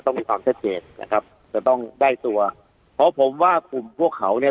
ต้องมีความชัดเจนนะครับจะต้องได้ตัวเพราะผมว่ากลุ่มพวกเขาเนี่ย